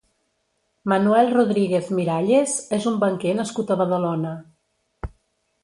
Manuel Rodríguez Miralles és un banquer nascut a Badalona.